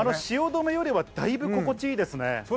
汐留よりはだいぶ心地いいですね。